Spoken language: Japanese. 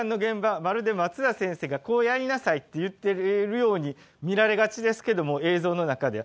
まるで松田先生がこうやりなさいって言ってるように見られがちですけども映像の中では。